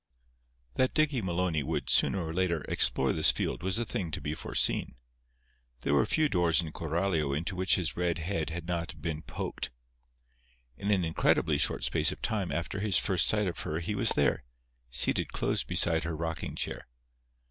That Dicky Maloney would, sooner or later, explore this field was a thing to be foreseen. There were few doors in Coralio into which his red head had not been poked. In an incredibly short space of time after his first sight of her he was there, seated close beside her rocking chair.